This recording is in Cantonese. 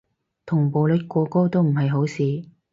同步率過高都唔係好事